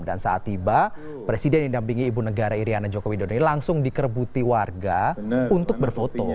dan saat tiba presiden yang didampingi ibu negara iryana jokowi dodo ini langsung dikerbuti warga untuk berfoto